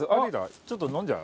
ちょっと飲んじゃう？